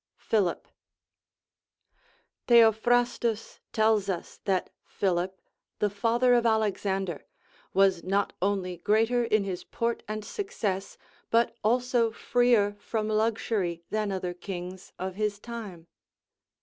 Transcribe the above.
Philip. Theophrastus tells us that Philip, the father of Alexander, was not only greater in his port and success, but also freer from luxury than other kings of his lime.